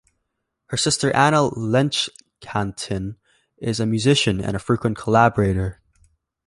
Her sister Ana Lenchantin is a musician and a frequent collaborator.